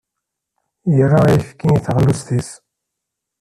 Yerra ayefki i teɣlust-is.